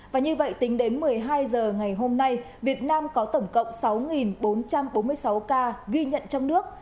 và như vậy tính đến một mươi hai h ngày hôm nay việt nam có tổng cộng sáu bốn trăm bốn mươi sáu ca ghi nhận trong nước